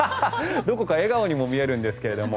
どこか笑顔にも見えるんですが。